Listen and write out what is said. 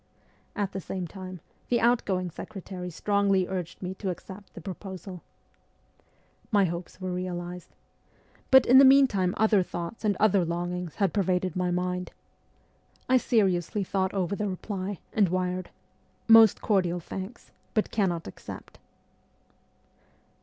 At the same time the out going secretary strongly urged me to accept the proposal. My hopes were realized. But in the meantime ST. PETERSBURG 17 other thoughts and other longings had pervaded my mind. I seriously thought over the reply, and wired, ' Most cordial thanks, but cannot accept.'